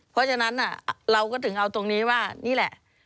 เพราะฉะนั้นเราก็ถึงเอาตรงนี้ว่านี่แหละ